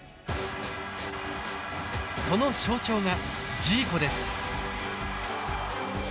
その象徴がジーコです。